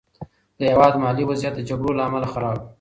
د هېواد مالي وضعیت د جګړو له امله خراب و.